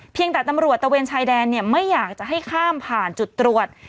แต่ตำรวจตะเวนชายแดนไม่อยากจะให้ข้ามผ่านจุดตรวจ